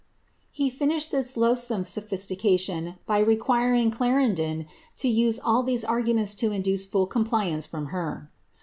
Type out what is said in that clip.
^' He liuished this loathsome sophistication by re quiring Clarendon to use all tliese arguments to induce full compliance from her.